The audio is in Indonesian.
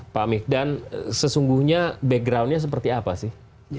pak mihdan sesungguhnya backgroundnya seperti apa sih